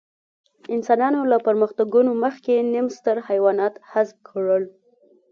انسانانو له پرمختګونو مخکې نیم ستر حیوانات حذف کړل.